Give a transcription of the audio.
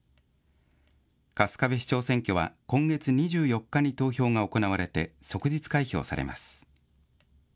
春日部市長選挙は今月２４日に投票が行われて即日開票されます。